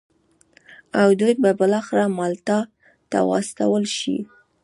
او دوی به بالاخره مالټا ته واستول شي.